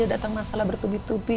terus ada masalah bertubi tubi